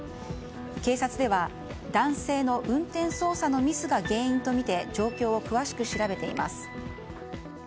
警察では男性の運転操作のミスが原因とみて状況を詳しく調べています。